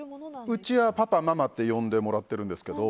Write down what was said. うちはパパ、ママって呼んでもらっているんですけど